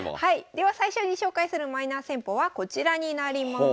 では最初に紹介するマイナー戦法はこちらになります。